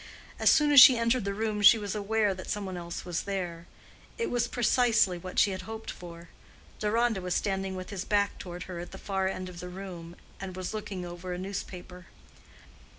As soon as she entered the room she was aware that some one else was there: it was precisely what she had hoped for. Deronda was standing with his back toward her at the far end of the room, and was looking over a newspaper.